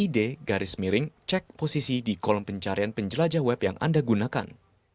dan juga bisa mencari posisi di kolom pencarian penjelajah web yang anda gunakan